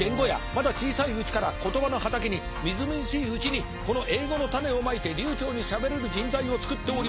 まだ小さいうちから言葉の畑にみずみずしいうちにこの英語の種をまいて流ちょうにしゃべれる人材を作っております。